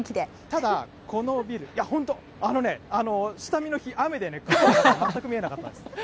ただこのビル、いや、本当、あのね、下見の日、雨でね、全く見えなかったんです。